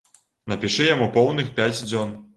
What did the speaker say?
Напішы яму поўных пяць дзён!